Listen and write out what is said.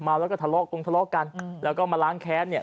แล้วก็ทะเลาะกงทะเลาะกันแล้วก็มาล้างแค้นเนี่ย